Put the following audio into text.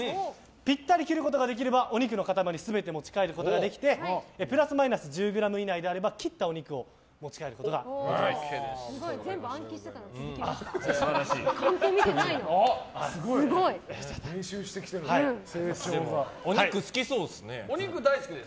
ピッタリ切ることができればお肉の塊全て持ち帰ることができてプラスマイナス１０ｇ以内であれば切ったお肉を持ち帰ることができます。